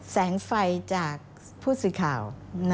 แสงไฟจากผู้สื่อข่าว